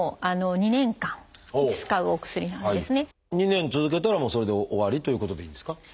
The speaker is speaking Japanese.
２年続けたらもうそれで終わりということでいいんですか？